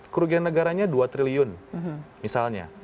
kerugian negaranya dua triliun misalnya